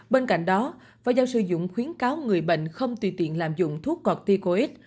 bên cạnh đó phó giáo sư dũng khuyến cáo người bệnh không tùy tiện làm dụng thuốc corticoid